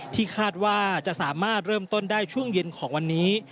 ที่คาดว่าจะสามารถเริ่มต้นได้ช่วงเย็นของวันนี้